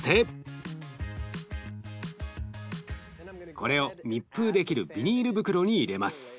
これを密封できるビニール袋に入れます。